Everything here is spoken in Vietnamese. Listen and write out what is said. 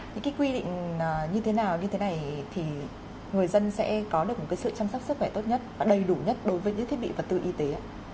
những cái quy định như thế nào như thế này thì người dân sẽ có được một sự chăm sóc sức khỏe tốt nhất và đầy đủ nhất đối với những thiết bị vật tư y tế ạ